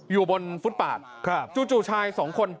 อยู่บนฟุตปาดจู่ชายสองคน